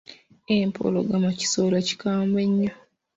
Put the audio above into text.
Empologoma kisolo kikambwe nnyo.